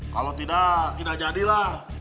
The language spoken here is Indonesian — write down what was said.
kalo tidak tidak jadilah